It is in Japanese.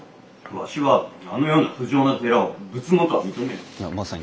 わしはあのような不浄な寺を仏門とは認めぬ。